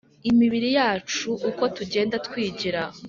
imibiri yacu uko tugenda twigira